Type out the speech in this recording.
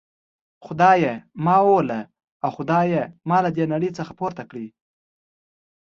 خدایه ما ووله او خدایه ما له دي نړۍ څخه پورته کړي.